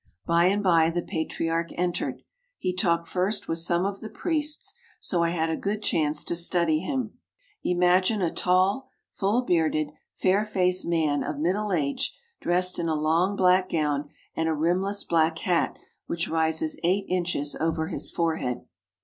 By and by the Patriarch entered. He talked first with some of the priests, so I had a good chance to study him. Imagine a tall, full bearded, fair faced man of middle age dressed in a long black gown and a rimless black hat which rises eight inches over his forehead.